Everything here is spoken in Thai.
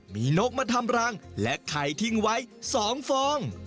มีนกมาทำรังและไข่ทิ้งไว้๒ฟอง